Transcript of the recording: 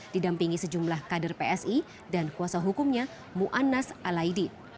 didampingi sejumlah kader psi dan kuasa hukumnya mu'annas alaidi